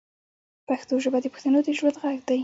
پښتو ژبه د بښتنو د ژوند ږغ دی